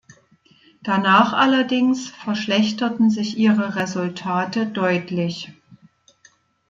Danach allerdings verschlechterten sich ihre Resultate deutlich.